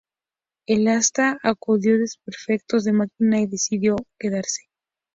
El "Hansa" acusó desperfectos de máquina y debió quedarse.